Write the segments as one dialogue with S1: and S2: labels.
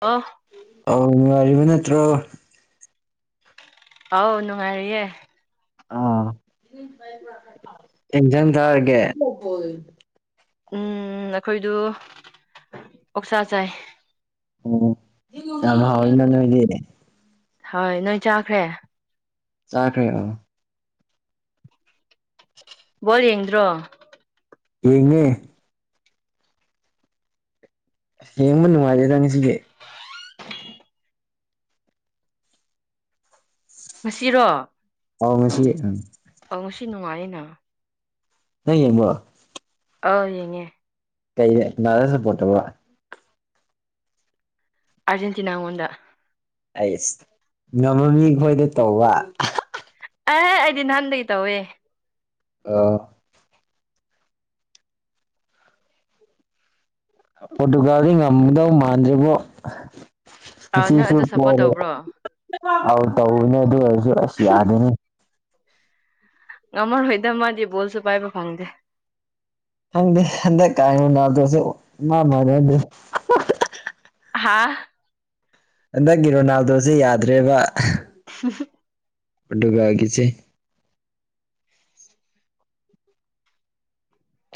S1: ꯑꯣ
S2: ꯑ ꯅꯨꯡꯉꯥꯏꯔꯤꯕ ꯅꯠꯇ꯭ꯔꯣ
S1: ꯑꯧ ꯅꯨꯡꯉꯥꯏꯔꯤꯌꯦ
S2: ꯑ ꯀꯩ ꯏꯟꯖꯥꯡ ꯆꯥꯔꯒꯦ
S1: ꯎꯝ ꯑꯩꯈꯣꯏꯗꯨ ꯑꯣꯛꯁꯥ ꯆꯥꯏ
S2: ꯑꯣ ꯌꯥꯝ ꯍꯥꯎꯋꯤꯅ ꯅꯣꯏꯗꯤ
S1: ꯍꯣꯏ ꯅꯣꯏ ꯆꯥꯈ꯭ꯔꯦ
S2: ꯆꯥꯈ꯭ꯔꯦ
S1: ꯕꯣꯜ ꯌꯦꯡꯗ꯭ꯔꯣ
S2: ꯌꯦꯡꯉꯦ ꯌꯦꯡꯕ ꯅꯨꯡꯉꯥꯏꯇꯦꯗ ꯉꯥꯁꯤꯗꯤ
S1: ꯉꯥꯁꯤꯔꯣ
S2: ꯑꯧ ꯉꯥꯁꯤ
S1: ꯑꯧ ꯉꯁꯤ ꯅꯨꯡꯉꯥꯏꯌꯦꯅ
S2: ꯅꯪ ꯌꯦꯡꯕ꯭ꯔꯣ
S1: ꯑ ꯌꯦꯡꯉꯦ
S2: ꯀꯩꯗ ꯀꯅꯥꯗ ꯁꯥꯄꯣꯔꯠ ꯇꯧꯕꯔ
S1: ꯑꯥꯔꯖꯦꯟꯇꯤꯅꯥ ꯉꯣꯟꯗ
S2: ꯑꯩꯁ ꯉꯝꯕ ꯃꯤꯈꯣꯏꯗ ꯇꯧꯕ
S1: ꯑꯦꯍꯦ ꯑꯩꯗꯤ ꯅꯍꯥꯟꯗꯒꯤ ꯇꯧꯋꯦ
S2: ꯑ [unintelligible] ꯄꯣꯔꯇꯨꯒꯜꯗꯤ ꯉꯝꯗꯧ ꯃꯥꯟꯗ꯭ꯔꯦꯕꯣ
S1: ꯑꯥ ꯅꯪ
S2: ꯉꯥꯁꯤꯁꯨ
S1: ꯑꯗꯨ ꯁꯞꯄꯣꯔꯠ
S2: ꯄꯣꯔꯦ
S1: ꯇꯧꯕ꯭ꯔꯣ
S2: ꯑꯧ ꯇꯧꯕꯅꯦ ꯑꯗꯨ ꯑꯣꯏꯔꯁꯨ ꯑꯁ ꯌꯥꯗꯦꯅꯦ
S1: ꯉꯝꯃꯥꯔꯣꯏꯗ ꯃꯥꯗꯤ ꯕꯣꯜꯁꯨ ꯄꯥꯏꯕ ꯐꯥꯪꯗꯦ
S2: ꯈꯪꯗꯦ ꯍꯟꯗꯛꯀ ꯔꯣꯅꯥꯜꯗꯣꯁꯦ ꯏꯃꯥꯟ ꯃꯥꯟꯅꯗꯦ
S1: ꯍꯥꯥ
S2: ꯍꯟꯗꯛꯀꯤ ꯔꯣꯅꯥꯜꯗꯣꯁꯦ ꯌꯥꯗ꯭ꯔꯦꯕ
S1: [unintelligible]
S2: ꯄ꯭ꯔꯣꯇꯨꯒꯜꯒꯤꯁꯦ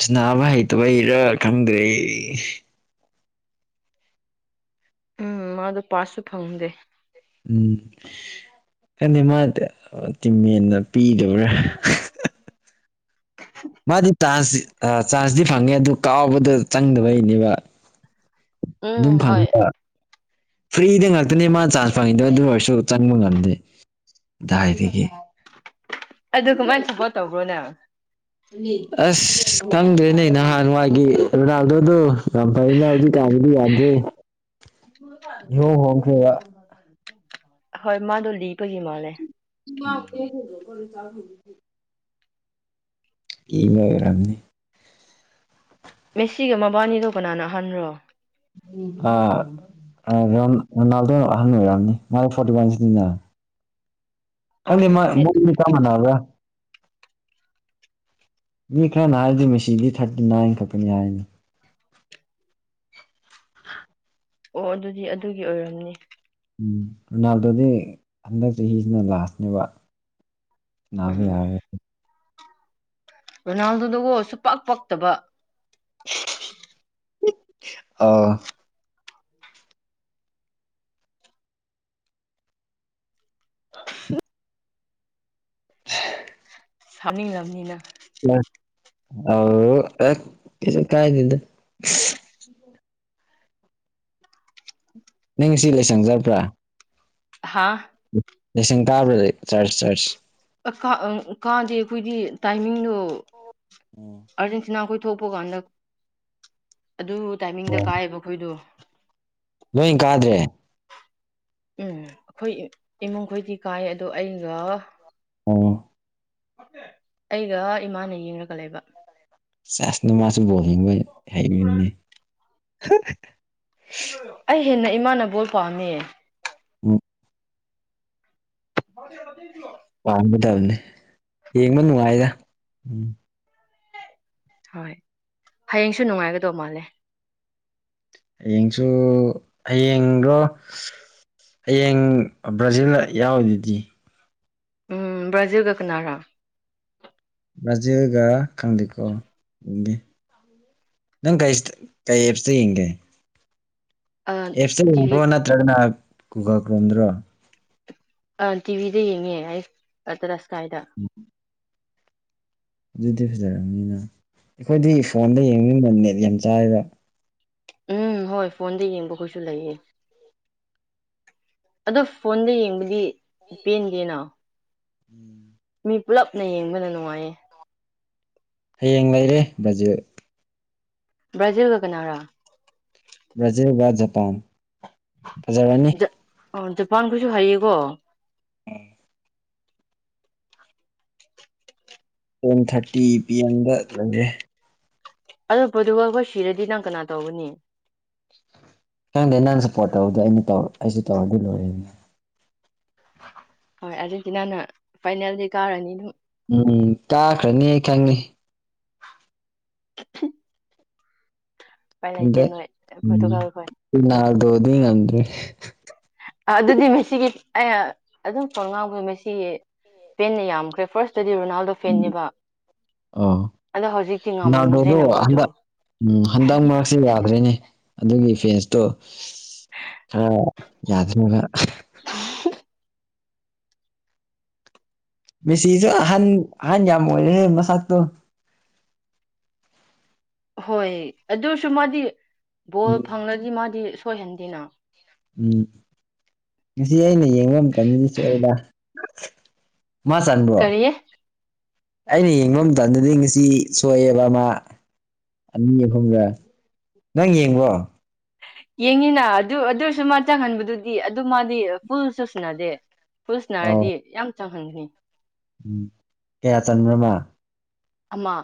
S2: ꯁꯥꯟꯅꯕ ꯍꯩꯇꯕꯩꯔ ꯈꯪꯗ꯭ꯔꯦ
S1: ꯎꯝ ꯃꯥꯗꯣ ꯄꯥꯁꯁꯨ ꯐꯪꯗꯦ
S2: ꯎꯝ ꯈꯪꯗꯦ ꯃꯥ ꯇꯤꯝꯃꯦꯠꯅ ꯄꯤꯗꯕ꯭ꯔꯥ ꯃꯥꯗꯤ ꯆꯥꯟꯁ ꯆꯥꯟꯖꯇꯤ ꯐꯪꯉꯦ ꯑꯗꯨ ꯀꯥꯎꯕꯗ ꯆꯪꯗꯕꯩꯅꯦꯕ ꯑꯗꯨꯝ
S1: ꯎꯝ ꯍꯣꯏ
S2: ꯐꯪꯉꯦꯗ ꯐ꯭ꯔꯤꯗ ꯉꯥꯛꯇꯅꯦ ꯃꯥ ꯆꯥꯟꯁ ꯐꯪꯉꯤꯗꯣ ꯑꯗꯨ ꯑꯣꯏꯔꯁꯨ ꯆꯪꯕ ꯉꯝꯗꯦ ꯀꯗꯥꯏꯗꯒꯤ
S1: ꯑꯗꯨ ꯀꯃꯥꯏꯅ ꯁꯥꯄꯣꯔꯠ ꯇꯧꯕ꯭ꯔꯣ ꯅꯪ
S2: ꯑꯁ ꯈꯪꯗ꯭ꯔꯦꯅꯦ ꯅꯍꯥꯟꯋꯥꯏꯒꯤ ꯔꯣꯅꯥꯜꯗꯣꯗꯣ ꯌꯥꯝ ꯐꯩꯅ ꯍꯧꯖꯤꯛꯀꯥꯟꯒꯤꯗꯤ ꯌꯥꯗ꯭ꯔꯦ ꯏꯍꯣꯡ ꯍꯣꯡꯈ꯭ꯔꯦꯕ
S1: ꯍꯣꯏ ꯃꯥꯗꯣ ꯂꯤꯕꯒꯤ ꯃꯥꯜꯂꯦ
S2: ꯗꯣ ꯄꯦ ꯆꯥ [unintelligible] ꯂꯤꯕꯩ ꯑꯣꯏꯔꯝꯅꯤ
S1: ꯃꯦꯁꯤꯒ ꯃꯕꯥꯅꯤꯗꯣ ꯀꯅꯥꯅ ꯑꯥꯍꯟꯔꯣ
S2: ꯑꯥ ꯔꯣꯅꯥꯜꯗꯣꯅ ꯑꯍꯟ ꯑꯣꯏꯔꯝꯅꯤ ꯃꯥꯗꯤ ꯐꯣꯔꯇꯤ ꯋꯥꯟ ꯁꯨꯏꯅ
S1: ꯑꯣ
S2: ꯈꯪꯗꯦ ꯃꯥ ꯃꯣꯏ ꯑꯅꯤ ꯆꯞ ꯃꯥꯟꯅꯕ꯭ꯔ
S1: [unintelligible]
S2: ꯃꯤ ꯈꯔꯅ ꯍꯥꯏꯔꯗꯤ ꯃꯁꯤꯁꯤꯗꯤ ꯊꯥꯔꯇꯤ ꯅꯥꯏꯟ ꯈꯛꯛꯇꯅꯤ ꯍꯥꯏꯅꯤ [unintelligible]
S1: ꯑꯣ ꯑꯗꯨꯗꯤ ꯑꯗꯨꯒꯤ ꯑꯣꯏꯔꯝꯅꯤ
S2: ꯎꯝ ꯔꯣꯅꯥꯜꯗꯣꯗꯤ ꯍꯟꯗꯛ ꯆꯍꯤꯁꯤꯅ ꯂꯥꯁꯅꯦꯕ ꯅꯥꯕ ꯌꯥꯔ
S1: ꯔꯣꯅꯥꯜꯗꯣꯗꯨꯒꯣ ꯁꯨꯄꯛ ꯄꯛꯇꯕ
S2: ꯑꯥ ꯁꯤ
S1: ꯁꯥꯎꯅꯤꯡꯂꯝꯕꯅꯤꯅ
S2: ꯀꯥꯏꯗꯤꯗ ꯅꯪ ꯉꯁꯤ ꯂꯩꯁꯪꯖꯔꯕ꯭ꯔꯥ
S1: ꯍꯥꯥ
S2: ꯂꯤꯁꯤꯡ ꯇꯥꯕꯗ ꯆꯔꯆ ꯆꯔꯆ
S1: ꯀꯥꯗꯦ ꯑꯩꯈꯣꯏꯗꯤ ꯇꯥꯏꯃꯤꯡꯗꯣ ꯑꯥꯔꯖꯦꯟꯇꯤꯅꯥ ꯑꯩꯈꯣꯏ ꯄꯨ ꯊꯣꯛꯄ ꯀꯥꯟꯗ ꯑꯗꯨ ꯇꯥꯏꯃꯤꯡꯗ ꯀꯥꯏꯑꯦꯕ ꯑꯩꯈꯣꯏꯗꯣ
S2: ꯅꯣꯏ ꯀꯥꯗ꯭ꯔꯦ
S1: ꯎꯝ ꯑꯩꯈꯣꯏ ꯏꯃꯨꯡꯈꯣꯏꯗꯤ ꯀꯥꯏ ꯑꯗꯣ ꯑꯩꯒ
S2: ꯑꯣꯝ
S1: ꯑꯩꯒ ꯏꯃꯥꯅ ꯌꯦꯡꯒ ꯂꯩꯕ
S2: ꯆꯁꯅ ꯃꯥꯁꯨ ꯕꫭꯜ
S1: ꯑꯩ ꯍꯦꯟꯅ ꯏꯃꯥꯅꯕꯣꯜ ꯄꯥꯝꯃꯤ
S2: ꯎꯝ
S1: ꯍ
S2: ꯄꯥꯡꯒꯗꯕꯅꯤ ꯌꯦꯡꯕ ꯅꯨꯡꯉꯥꯏꯗ ꯎꯝ
S1: ꯍꯣꯏ ꯍꯌꯦꯡꯁꯨ ꯅꯨꯡꯉꯥꯏꯒꯗꯧ ꯃꯥꯜꯂꯦ
S2: ꯍꯌꯦꯡꯁꯨ ꯍꯌꯦꯡꯗꯣ ꯍꯌꯦꯡ ꯕ꯭ꯔꯥꯖꯤꯜ ꯌꯥꯎꯗꯨꯗꯤ
S1: ꯎꯝ ꯕ꯭ꯔꯥꯖꯤꯜꯒ ꯀꯅꯥꯔꯥ
S2: ꯕ꯭ꯔꯥꯖꯤꯦꯜꯒ ꯈꯪꯗ‌ꯦꯀ‌ꯣ ꯌ‌ꯦꯡꯒ‌ꯦ ꯅꯪ ꯀꯩ ꯀꯩ ꯑꯦꯞꯁꯤꯇ ꯌꯦꯡꯒꯦ ꯑꯦꯞꯇ
S1: ꯇꯤꯚꯤ
S2: ꯌꯦꯡꯕ꯭ꯔꯣ ꯅꯠꯇ꯭ꯔꯒꯅ ꯒꯨꯒ ꯀꯣꯟꯗ꯭ꯔꯣ
S1: ꯑ ꯇꯤꯚꯤꯗ ꯌꯦꯡꯉꯦ ꯑꯩ ꯇꯔꯥꯁ ꯀꯥꯏꯗ
S2: ꯑꯗꯨꯗꯤ ꯐꯖꯔꯑꯅꯤꯅ ꯑꯩꯈꯣꯏꯗꯤ ꯐꯣꯟꯗ ꯌꯦꯡꯅꯤꯡꯕ ꯅꯦꯠ ꯌꯥꯝ ꯆꯥꯏꯕ
S1: ꯎꯝ ꯍꯣꯏ ꯐꯣꯟꯗ ꯌꯦꯡꯕ ꯀꯩꯁꯨ ꯂꯩꯌꯦ ꯑꯗꯣ ꯐꯣꯟꯗ ꯌꯦꯡꯕꯗꯤ ꯄꯦꯟꯒꯦꯅ
S2: ꯎꯝ
S1: ꯃꯤ ꯄꯨꯜꯂꯞꯅ ꯌꯦꯡꯕꯅ ꯅꯨꯡꯉꯥꯏꯌꯦ
S2: ꯍꯌꯦꯡ ꯂꯩꯔꯦ ꯕ꯭ꯔꯥꯖꯤꯜ
S1: ꯭ꯔꯥꯖꯤꯜ ꯀ ꯀꯅꯥꯔꯥ
S2: ꯕ꯭ꯔꯥꯖꯤꯜ ꯖꯄꯥꯟ ꯐꯖꯔꯕꯅꯤ
S1: ꯑꯣ ꯖꯄꯥꯟꯒꯁꯨ ꯍꯥꯏꯌꯦꯀꯣ
S2: ꯎꯝ ꯇꯦꯟ ꯊꯥꯔꯇꯤ ꯄꯤ ꯑꯦꯝꯗ ꯂꯒꯦ
S1: ꯑꯣ ꯄꯣꯗꯨ ꯋꯥꯄ ꯁꯤꯔꯗꯤ ꯅꯪ ꯀꯅꯥ ꯇꯧꯕꯅꯤ
S2: ꯅꯪꯗ ꯅꯪ ꯁꯞꯄꯣꯔꯠ ꯇꯧꯗ ꯑꯩꯅ ꯇꯧ ꯑꯩꯁꯨ ꯇꯧꯔꯗꯤ ꯂꯣꯏꯔꯦꯅꯤ
S1: ꯍꯣꯏ ꯑꯥꯔꯖꯦꯟꯇꯤꯅꯥꯅ ꯐꯥꯏꯅꯦꯜꯗꯤ ꯀꯥꯔꯅꯤ ꯑꯗꯨꯝ
S2: ꯎꯝ ꯇꯥꯈ꯭ꯔꯅꯤ ꯑꯩ ꯈꯪꯅꯤ
S1: [unintelligible] ꯎꯄꯥꯏ ꯂꯩꯇꯦ
S2: ꯀꯗ
S1: ꯅꯣꯏ ꯄꯣꯔꯇꯨꯒꯜ ꯈꯣꯏ
S2: ꯅꯗꯣꯗ ꯑꯗ
S1: ꯑꯗꯨꯗꯤ ꯃꯦꯁꯤꯒꯤ ꯑꯩ ꯑꯗꯨꯝ ꯄꯣꯟ ꯉꯥꯎꯕꯦ ꯃꯁꯤ ꯄꯦꯟꯅ ꯌꯥꯝꯈ꯭ꯔꯦ ꯐꯥꯔꯁ ꯠꯇꯗꯤ ꯔꯣꯅꯥꯜꯗꯣ ꯐꯦꯦꯕ
S2: ꯑꯣ
S1: ꯑꯗꯣ ꯍꯧꯖꯤꯛꯇꯤ
S2: ꯔꯣꯅꯥꯜꯗꯣꯗꯣ
S1: ꯉꯝꯗ꯭ꯔꯦꯅ ꯃꯣꯏꯗꯨ
S2: ꯍꯟꯗꯛ ꯎꯝ ꯍꯟꯗꯛ ꯃꯔꯛꯁꯦ ꯌꯥꯗ꯭ꯔꯦꯅꯦ ꯑꯗꯨꯒꯤ ꯐꯦꯟꯁꯇꯣ ꯈꯔ ꯌꯥꯗꯅꯕ
S1: [unintelligible]
S2: ꯃꯁꯤꯁꯨ ꯍꯍꯟ ꯑꯍꯟꯖꯝ ꯑꯣꯏꯦꯦ ꯃꯁ
S1: ꯍꯣꯏ ꯑꯗꯨꯁꯨ ꯃꯥꯗꯤ
S2: ꯎꯝ
S1: ꯕꯣꯜ ꯐꯪꯂꯗꯤ ꯃꯥꯗꯤ ꯁꯣꯏꯍꯟꯗꯦꯅ
S2: ꯎꯝ ꯉ ꯑꯩꯅ ꯌꯦꯡꯕ ꯀꯟꯁꯤ ꯁꯕ ꯃꯥ ꯆꯥꯟꯕ꯭ꯔꯣ
S1: ꯀꯔꯤꯌꯦ
S2: ꯑꯩꯅ ꯌꯦꯡꯕ ꯃꯇꯝꯗꯗꯤ ꯉꯁꯤ ꯁꯣꯛꯑꯦꯕ ꯑꯃ ꯑꯅꯤ ꯑꯍꯨꯝꯒ ꯅꯪ ꯌꯦꯡꯕꯣ
S1: ꯌꯦꯡꯉꯤꯅ ꯑꯗꯨ ꯑꯗꯨꯔꯁꯨ ꯃꯥ ꯆꯪꯍꯟꯕꯗꯨꯗꯤ ꯑꯗꯨ ꯃꯥꯗꯤ ꯐꯨꯜ ꯆꯨꯁꯤꯟꯅꯗꯦ ꯄꯨꯜꯁ
S2: ꯑꯣ
S1: ꯅꯥꯔꯗꯤ ꯌꯥꯝ ꯆꯪꯍꯟꯒꯅꯤ
S2: ꯎꯝ ꯀꯌꯥ ꯆꯟꯕ꯭ꯔꯃꯥ
S1: ꯑꯃ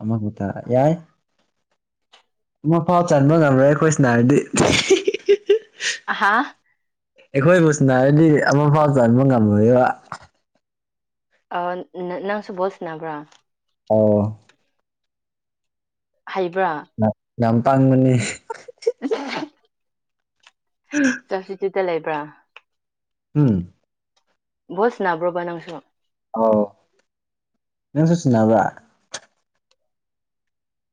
S2: ꯑꯃ ꯀꯠꯇ ꯌꯥꯏ ꯃꯐꯥꯎ ꯆꯟꯕ ꯉꯝꯔꯣꯏ ꯑꯩꯈꯣꯏꯁꯅ ꯍꯥꯏꯔꯗꯤ
S1: ꯑꯍꯥ
S2: ꯑꯩꯈꯣꯏꯕꯨ ꯁꯤꯟꯅꯔꯗꯤ ꯑꯃ ꯐꯥꯎ ꯆꯟꯕ ꯉꯝꯃꯣꯏꯕ
S1: ꯅꯪꯁꯨ ꯕꯣꯁ ꯅꯕ꯭ꯔꯥ
S2: ꯑꯣ
S1: ꯍꯩꯕ꯭ꯔꯥ
S2: ꯌꯥꯝ ꯄꯥꯡꯕꯅꯦ
S1: [unintelligible] ꯁꯞꯇꯤꯇ꯭ꯌꯨꯠꯇ ꯂꯩꯕ꯭ꯔꯥ
S2: ꯎꯝ
S1: ꯚꯣꯁ ꯅꯥꯕ꯭ꯔꯣꯕ ꯅꯪꯁꯨ
S2: ꯑꯣ ꯅꯪꯁꯨ ꯁꯤꯟꯅꯕ꯭ꯔ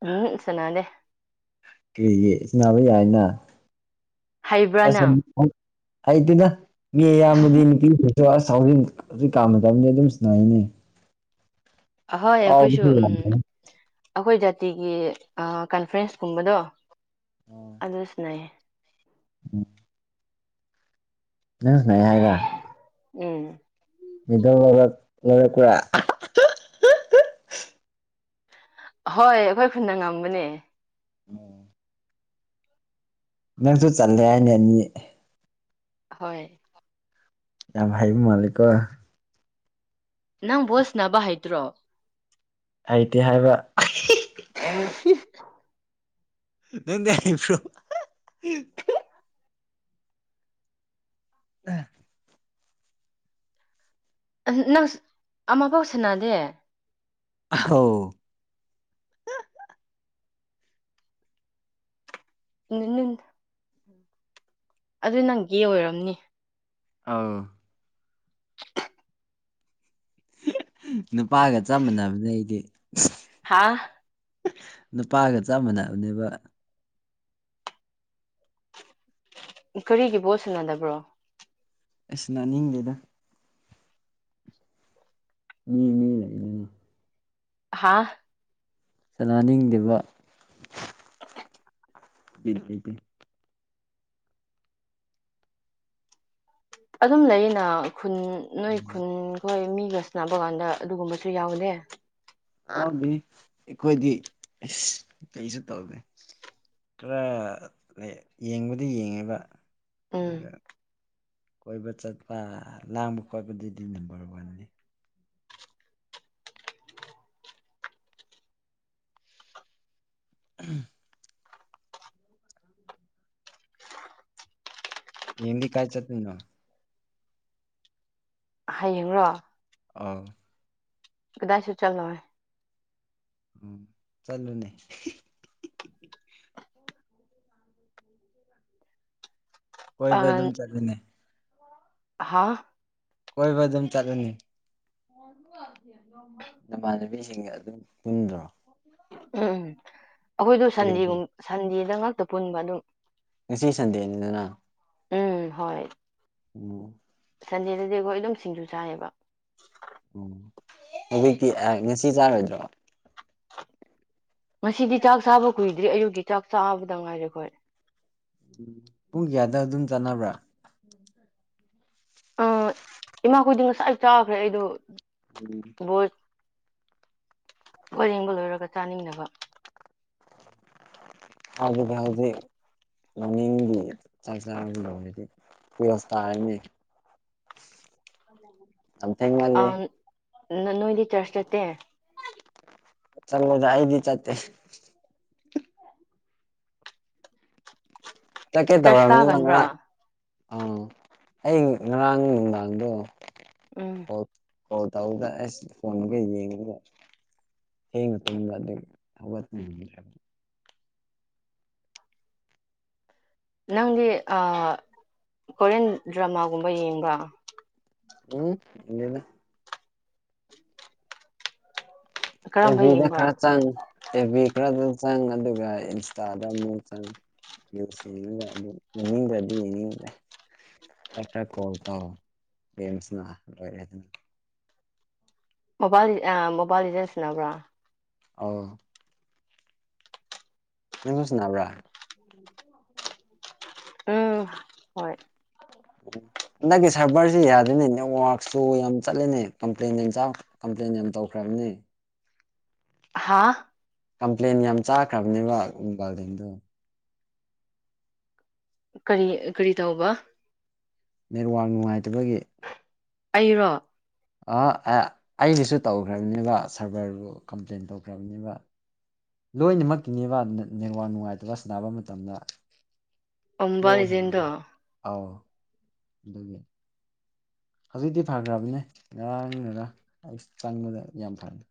S1: ꯎꯝ ꯆꯅꯥꯗꯦ
S2: ꯀꯔꯤꯒꯤ ꯏꯟꯅꯕ ꯌꯥꯏꯅ
S1: ꯍꯩꯕ꯭ꯔꯥ
S2: ꯑꯁ
S1: ꯅꯪ
S2: ꯍꯥꯏꯥꯏ ꯇꯗ ꯃꯤ ꯌꯥꯕꯗꯤ ꯄꯦ ꯑ ꯑꯁ ꯍꯧꯖꯤꯛ ꯍꯧꯖꯤꯛ ꯀꯥꯝꯅꯗꯕꯅꯤ ꯑꯗꯨꯝꯁꯨꯅꯥꯏꯅꯦ
S1: ꯑꯍꯣꯏ ꯑꯩꯈꯣꯏꯁꯨ ꯎꯝ
S2: ꯌꯥꯝꯕꯅꯦ
S1: ꯑꯩꯈꯣꯏ ꯖꯥꯇꯤꯒꯤ ꯀꯟꯐ꯭ꯔꯦꯟꯁ ꯀꯨꯝꯕꯗꯣ ꯑꯗꯨ ꯁꯤꯅꯌꯦ
S2: ꯎꯝ ꯅ ꯅ ꯍꯥꯏꯒ
S1: ꯎꯝ
S2: ꯃꯤꯗ ꯂ ꯂ ꯀꯔ
S1: ꯍꯣꯏ ꯑꯩꯈꯣꯏ ꯈꯨꯟꯅ ꯉꯝꯕꯅꯦ
S2: ꯑꯣ ꯅꯪꯁꯨ ꯆꯜꯂꯦ ꯍꯥꯏꯅ ꯑꯅꯤ
S1: ꯍꯣꯏ
S2: ꯑꯚꯥꯏ ꯃꯥ ꯂꯩꯀꯣ
S1: ꯅꯪ ꯕꯣꯁꯅꯕ ꯍꯩꯇ꯭ꯔꯣ
S2: ꯑꯩꯗꯤꯦ ꯍꯥꯏꯕ
S1: ꯎ
S2: ꯅꯅꯤꯁꯨꯣ ꯑ
S1: ꯅꯪ ꯑꯃꯥ ꯄꯥꯎ ꯁꯅꯗꯦ
S2: ꯍ
S1: ꯅ ꯑꯗꯨ ꯅꯪꯒꯤ ꯑꯣꯏꯔꯝꯅꯤ
S2: ꯑ
S1: [unintelligible]
S2: ꯅꯨꯄꯥꯒ ꯆꯞ ꯃꯥꯟꯅꯕꯅꯦ ꯑꯩꯗꯤ
S1: ꯍꯥꯥ
S2: ꯅꯨꯄꯥꯒ ꯆꯞ ꯃꯥꯟꯅꯕꯅꯦꯕ
S1: ꯀꯔꯤꯒꯤ ꯄꯣꯠ ꯁꯥꯟꯅꯗꯕ꯭ꯔꯣ
S2: ꯑꯁ ꯅꯥꯅꯤꯡꯗꯦꯗ ꯃꯤ ꯂꯩ
S1: ꯍꯥꯥ
S2: ꯆꯅꯥꯅꯤꯡꯗꯕ ꯏꯗꯤꯗꯤ
S1: ꯑꯗꯨꯝ ꯂꯩꯌꯦꯅ ꯈꯨꯟ ꯅꯣꯏ ꯈꯨꯟꯈꯣꯏ ꯃꯤ ꯔꯁꯅꯥ ꯕꯒꯥꯟꯗ ꯑꯗꯨꯒꯨꯝꯕꯁꯨ ꯌꯥꯎꯗꯦ
S2: ꯑ ꯑꯩꯈꯣꯏꯗꯤ ꯀꯩꯁꯨ ꯇꯧꯒꯦ ꯈꯔ ꯂꯩ ꯌꯦꯡꯕꯗꯤ ꯌꯦꯡꯉꯦꯕ
S1: ꯎꯝ
S2: ꯑꯗꯨꯒ ꯀꯣꯏꯕ ꯆꯠꯄ ꯂꯥꯡꯕ ꯈꯣꯠꯄꯗꯨꯗꯤ ꯅꯝꯕꯔ ꯋꯥꯟꯅꯤ ꯎꯝ ꯍꯦꯝꯗꯤ ꯀꯥꯏ ꯆꯠꯅꯤ ꯅ
S1: ꯍꯌꯦꯡ꯭ꯔꯣ
S2: ꯑꯥꯎ
S1: ꯀꯗꯥꯏꯁꯨ ꯆꯜꯅꯦ
S2: ꯎꯝ ꯆꯠꯂꯨꯅꯦ ꯀꯣꯏꯕ ꯑꯗꯨꯝ ꯆꯂꯅꯦ
S1: ꯍꯥꯥ
S2: ꯀꯣꯏꯕ ꯑꯗꯨꯝ ꯆꯠꯂꯅꯤ ꯅꯨꯃꯥꯟꯅꯕꯤꯁꯤꯡꯒ ꯑꯗꯨꯝ ꯄꯨꯟꯗ꯭ꯔꯣ
S1: ꯎꯝ ꯎꯝ ꯑꯩꯈꯣꯏꯗ
S2: ꯀꯔꯤꯒꯤ
S1: ꯁꯟꯗꯦꯒꯨꯝ ꯁꯟꯗꯦꯗ ꯉꯥꯛꯇ ꯄꯨꯟꯕ ꯑꯗꯨꯝ
S2: ꯉꯁꯤ ꯁꯟꯗꯦꯅꯤꯗꯅ
S1: ꯎꯝ ꯍꯣꯏ
S2: ꯎꯝ
S1: ꯁꯟꯗꯦꯗꯗꯤ ꯑꯩꯈꯣꯏ ꯑꯗꯨꯝ ꯁꯤꯡꯖꯨ ꯆꯥꯏꯌꯦꯕ
S2: ꯎ ꯍꯧꯖꯤꯛꯇꯤ ꯉꯁꯤ ꯆꯥꯔꯣꯏꯗ꯭ꯔꯣ
S1: ꯉꯁꯤꯗꯤ ꯆꯥꯛ ꯆꯥꯕ ꯀꯨꯏꯗ꯭ꯔꯤ ꯑꯌꯨꯛꯀꯤ ꯆꯥꯛ ꯆꯥꯕꯗ ꯉꯥꯏꯔꯦ ꯈꯣꯏꯔꯦ
S2: ꯎꯝ ꯄꯨꯡ ꯀꯌꯥꯗ ꯑꯗꯨꯝ ꯆꯥꯟꯅꯕ꯭ꯔꯥ
S1: ꯑ ꯏꯃꯥꯈꯣꯏꯗꯤ ꯉꯁꯥꯏ ꯆꯥꯈ꯭ꯔꯦ ꯑꯩꯗꯣ
S2: ꯎ
S1: ꯋꯥꯔꯦꯡꯕ ꯂꯣꯏꯔꯒ ꯆꯥꯅꯤꯡꯅꯕ
S2: ꯍꯗꯥꯎꯗ ꯂꯧꯅꯤꯡꯡꯗꯤ ꯆꯥꯛ ꯆꯥꯔ ꯂꯧꯅꯦꯗꯤ ꯀꯁ ꯇꯥꯔꯅꯦ ꯑꯝ ꯊꯉ ꯂꯩꯦ
S1: ꯅꯣꯏ ꯂꯤ ꯆꯔꯁꯠꯇꯦ
S2: ꯆꯪꯗꯏꯗꯤ ꯆꯦ ꯆꯠꯀꯦ
S1: ꯆꯔꯆ
S2: ꯇꯧꯔꯅꯤꯅ
S1: ꯀꯥꯒꯟꯕ꯭ꯔꯥ
S2: ꯉꯔꯥꯡ ꯑꯥ ꯑꯩ ꯉꯔꯥꯡ ꯅꯨꯡꯗꯥꯡꯗꯣ
S1: ꯎꯝ
S2: ꯍ ꯇꯗ ꯑꯁ ꯐꯣꯟꯣꯟꯒ ꯌꯦꯡꯉꯒ ꯊ ꯊ
S1: ꯅꯪꯒꯤ ꯀꯣꯔꯤꯌꯟ ꯗ꯭ꯔꯃꯥꯒꯨꯝꯕ ꯌꯦꯡꯕ꯭ꯔꯥ
S2: ꯎꯝ ꯏꯅ
S1: ꯀꯔꯝꯕ
S2: ꯑꯦꯕꯤꯗ
S1: ꯌꯦꯡꯕ꯭ꯔꯥ
S2: ꯈꯔ ꯆꯪ ꯑꯦꯕꯤ ꯈꯔ ꯆꯪ ꯑꯗꯨꯒ ꯏꯟꯁꯇꯥꯗ ꯑꯃꯨꯛ ꯆꯪ ꯌꯦ ꯌꯦꯅꯤꯡꯗꯤ ꯌꯦꯅꯤꯡ ꯀꯣ ꯇ
S1: ꯃꯣꯕꯥꯜ ꯑ ꯃꯣꯕꯥꯜ ꯏꯁꯅꯕ꯭ꯔꯥ
S2: ꯑ ꯌꯦꯁ ꯅ꯭ꯔꯥ
S1: ꯎꯝ [unintelligible]
S2: ꯍꯟꯗꯛꯀꯤ ꯁꯚꯔꯁꯤ ꯌꯥꯗꯦꯅꯦ ꯅꯦꯠꯋꯥꯛꯁꯨ ꯌꯥꯝ ꯆꯠꯂꯦꯅꯦ ꯀꯝꯄ꯭ꯂꯦꯟ ꯌꯥꯝ ꯆꯥꯎ ꯀꯝꯄ꯭ꯂꯦꯟ ꯌꯥꯝ ꯇꯧ ꯭ꯔꯝꯅꯤ
S1: ꯍꯥꯥ
S2: ꯀꯝꯄ꯭ꯂꯦꯟ ꯌꯥꯝ ꯆꯥꯈ꯭ꯔꯕꯅꯦꯕ ꯃꯕꯥꯜꯗꯦꯟꯗꯣ
S1: ꯀꯔꯤ ꯀꯔꯤ ꯇꯧꯕ
S2: ꯅꯦꯠꯋꯥꯛ ꯅꯨꯡꯉꯥꯏꯇꯕꯒꯤ
S1: ꯑꯩꯔꯣ
S2: ꯑꯩꯒꯤꯁꯨ ꯇꯧꯈ꯭ꯔꯕꯅꯦꯕ ꯁꯥꯔꯚꯔꯕꯨ ꯀꯝꯄ꯭ꯂꯦꯟ ꯇꯧꯈ꯭ꯔꯕꯅꯦꯕ ꯂꯣꯏꯅꯃꯛꯀꯤꯤꯅꯦꯕ ꯅꯦꯋꯥ ꯅꯨꯡꯉꯥꯏꯇꯕ ꯁꯕ ꯃꯇꯝꯗ
S1: ꯑꯣꯝꯕ ꯖꯤꯟꯗꯣ
S2: ꯑꯗꯨꯗꯒꯤꯦ ꯍꯧꯖꯤꯛꯇꯤ ꯐꯈ꯭ꯔꯕꯅꯦ ꯉꯔꯥꯡꯅꯒ ꯑꯩ ꯆꯪꯕꯗ ꯌꯥꯝ ꯐꯔꯦ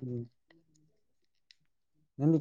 S2: ꯎꯝ